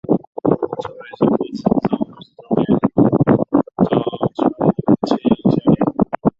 作为湘西自治州五十周年州庆献礼。